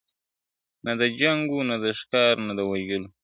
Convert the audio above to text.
نه د جنګ وه نه د ښکار نه د وژلو ..